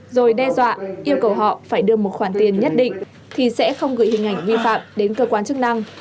rồi đe dọa yêu cầu họ phải đưa một khoản tiền nhất định thì sẽ không gửi hình ảnh vi phạm đến cơ quan chức năng